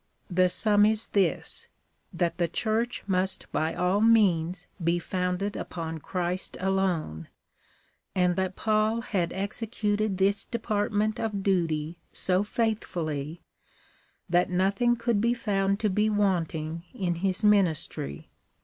The sura is this — that the Church must by all means be founded upon Christ alone, and that Paul had executed this department of duty so faithfully that nothing could be found to be want ing in his ministry.